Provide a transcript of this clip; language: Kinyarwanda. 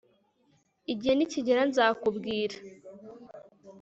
Igihe nikigera nzakubwira